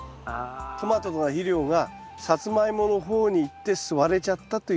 トマトとかの肥料がサツマイモの方にいって吸われちゃったという。